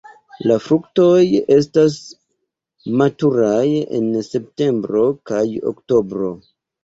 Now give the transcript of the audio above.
La fruktoj estas maturaj en septembro kaj oktobro.